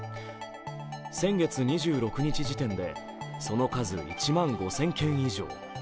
先月２６日時点で、その数１万５０００件以上。